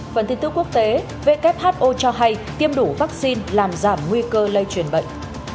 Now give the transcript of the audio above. phần tin tức quốc tế who cho hay tiêm đủ vắc xin làm giảm nguy cơ lây truyền bệnh